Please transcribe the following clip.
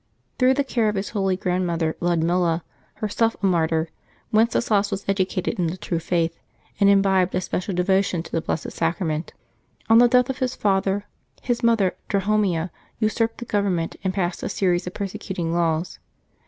Through the care of his holy grandmother, Ludmilla, her self a martyr, Wenceslas was educated in the true faith, and imbibed a special devotion to the Blessed Sacrament On the death of his father, his mother, Drahomira, usurped the government and passed a series of persecuting laws.